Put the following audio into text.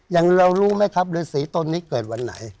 อย่างเรารู้ไหมครับฤษีตนนี้เกิดวันไหน